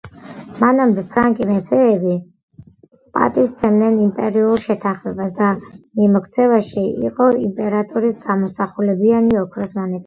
მანამდე ფრანკი მეფეები პატივს სცემდნენ იმპერიულ შეთანხმებას და მიმოქცევაში იყო იმპერატორის გამოსახულებიანი ოქროს მონეტები.